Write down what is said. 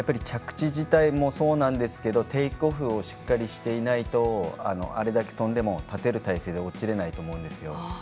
着地自体もそうですけどテイクオフをしっかりしていないとあれだけとんでも立てる体勢で落ちれないと思うんですよ。